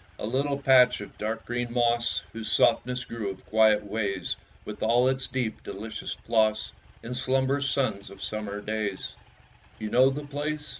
A little patch of dark green moss, Whose softness grew of quiet ways (With all its deep, delicious floss) In slumb'rous suns of summer days. You know the place?